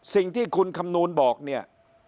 สิ่งที่คุณคำนวณบอกเนี่ย